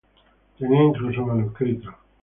Tenían incluso manuscritos".